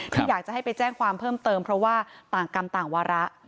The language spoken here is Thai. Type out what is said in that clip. ที่อยากจะให้ไปแจ้งความเพิ่มเติมเพราะว่าต่างกรรมต่างวาระ